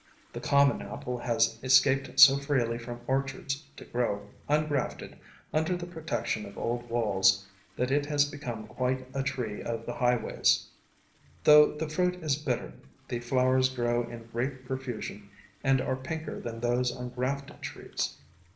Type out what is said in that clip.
The common Apple has escaped so freely from orchards, to grow, ungrafted, under the protection of old walls that it has become quite a tree of the high ways. Though the fruit is bitter, the flowers grow in great profusion, and are pinker than those on grafted trees.